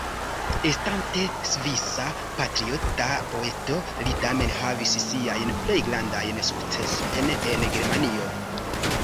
Estante svisa patriota poeto, li tamen havis siajn plej grandajn sukcesojn en Germanio.